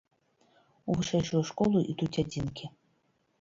У вышэйшую школу ідуць адзінкі.